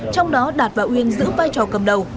trong đó đạt và nguyên giữ vai trò cầm đầu